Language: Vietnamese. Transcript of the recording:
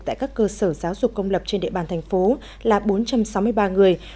tại các cơ sở giáo dục công lập trên địa bàn thành phố là bốn trăm sáu mươi ba người